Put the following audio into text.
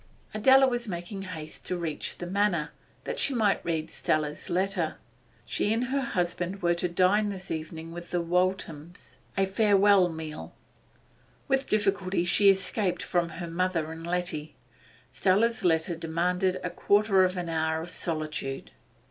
Adela was making haste to Teach the Manor, that she might read Stella's letter She and her husband were to dine this evening with the Walthams a farewell meal. With difficulty she escaped from her mother and Letty; Stella's letter demanded a quarter of an hour of solitude.